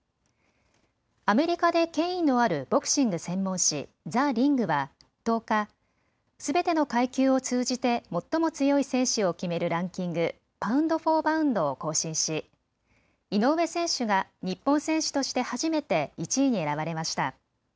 アメリカで権威のあるボクシング専門誌、ザ・リングは１０日、すべての階級を通じて最も強い選手を決めるランキング、パウンド・フォー・パウンドを更新し、井上選手が日本選手として初めて１位に選ばれました。